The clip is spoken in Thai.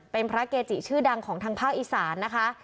เป็นพระเกจิชื่อดังของทางภาคอีสานนะคะ